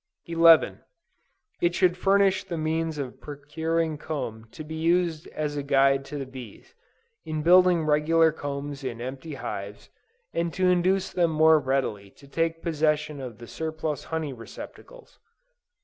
11. It should furnish the means of procuring comb to be used as a guide to the bees, in building regular combs in empty hives; and to induce them more readily to take possession of the surplus honey receptacles.